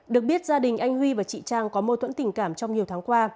được biết gia đình anh huy và chị trang có mô tuẫn tình cảm trong nhiều tháng qua